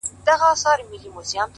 • په سلو کي سل توافق موجود وي ,